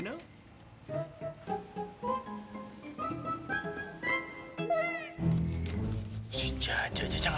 nah sudah lebar lagi jaganya